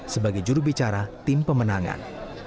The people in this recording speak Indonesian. sebagai juru bicara tim pemenangan